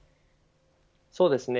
そうですね。